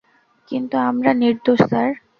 কিন্তু আমরা নির্দোষ স্যার।